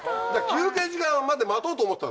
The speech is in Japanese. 休憩時間まで待とうと思ってたの？